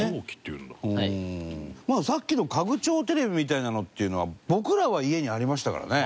伊達：さっきの家具調テレビみたいなのっていうのは僕らは家にありましたからね。